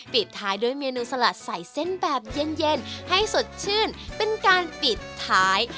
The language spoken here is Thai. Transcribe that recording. ปิดท้ายด้วยเมนูสลัดใส่เส้นแบบเย็นให้สดชื่นเป็นการปิดท้าย